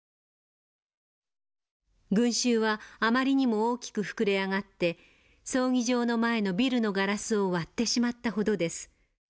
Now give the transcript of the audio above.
「群衆はあまりにも大きく膨れ上がって葬儀場の前のビルのガラスを割ってしまったほどです。